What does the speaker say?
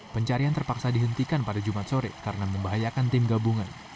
pencarian terpaksa dihentikan pada jumat sore karena membahayakan tim gabungan